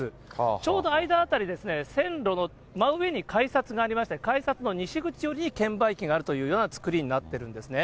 ちょうど間辺りですね、線路の真上に改札がありまして、改札の西口寄りに券売機があるというような造りになってるんですね。